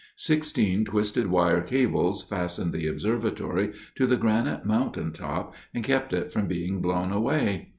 Sixteen twisted wire cables fastened the observatory to the granite mountain top and kept it from being blown away.